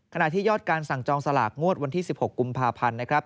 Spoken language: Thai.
ที่ยอดการสั่งจองสลากงวดวันที่๑๖กุมภาพันธ์นะครับ